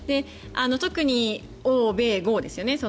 特に、欧米豪ですよね。